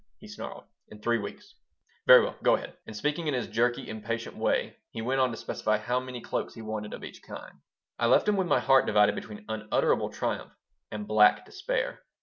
he snarled "In three weeks." "Very well go ahead!" And speaking in his jerky, impatient way, he went on to specify how many cloaks he wanted of each kind I left him with my heart divided between unutterable triumph and black despair.